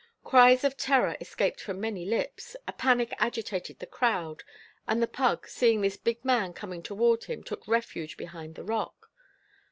Cries of terror escaped from many lips; a panic agitated the crowd; and the pug, seeing this big man coming toward him, took refuge behind the rock.